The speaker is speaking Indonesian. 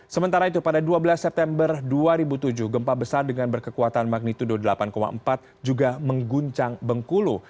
sementara itu pada dua belas september dua ribu tujuh gempa besar dengan berkekuatan magnitudo delapan empat juga mengguncang bengkulu